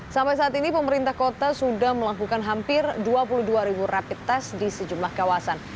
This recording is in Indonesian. sampai saat ini pemerintah kota sudah melakukan hampir dua puluh dua ribu rapid test di sejumlah kawasan